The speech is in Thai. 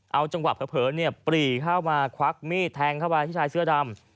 เอาจังหวะเผลอปรีเข้ามาควักมีดแทงเข้าไปที่ชายเสื้อดำ